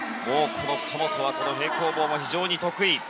神本は平行棒が非常に得意。